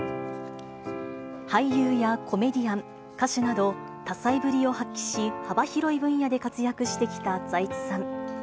俳優やコメディアン、歌手など、多才ぶりを発揮し、幅広い分野で活躍してきた財津さん。